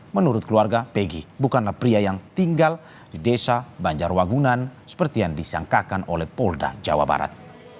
menurut keluarga pegi bukanlah pria yang tinggal di desa banjarwagunan seperti yang disangkakan oleh polda jawa barat